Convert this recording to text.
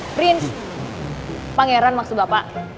prince pangeran maksud bapak